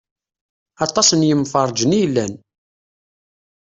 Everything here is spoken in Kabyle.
Aṭas n yemferrǧen i yellan.